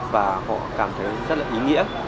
và họ cảm thấy rất là ý nghĩa